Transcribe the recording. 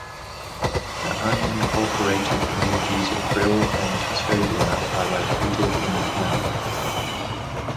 The unincorporated communities of Brill and Tuscobia are located in the town.